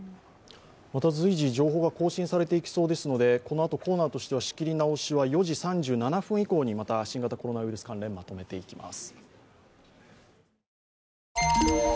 また随時情報が更新されていきそうですので、このあとコーナーとしては仕切り直しは４時３７分以降にまとめていきます。